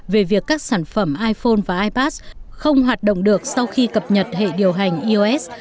về việc các sản phẩm iphone và ipad không hoạt động được sau khi cập nhật hệ điều hành ios